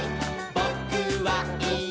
「ぼ・く・は・い・え！